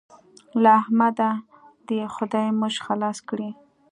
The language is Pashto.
له احمده دې خدای موږ خلاص کړي.